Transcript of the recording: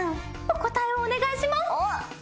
答えお願いします。